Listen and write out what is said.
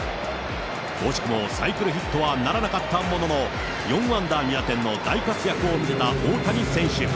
惜しくもサイクルヒットはならなかったものの、４安打２打点の大活躍を見せた大谷選手。